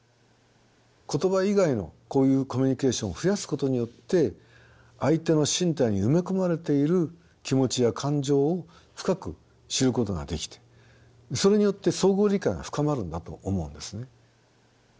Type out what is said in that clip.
言葉以外のこういうコミュニケーションを増やすことによって相手の身体に埋め込まれている気持ちや感情を深く知ることができてそれによって相互理解が深まるんだと思うんですね。